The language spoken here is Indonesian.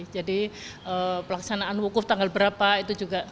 jadi pelaksanaan wukuf tanggal berapa itu juga